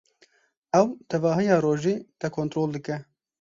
Ew tevahiya rojê te kontrol dike.